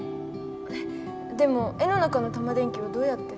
えっでも絵の中のタマ電Ｑをどうやって？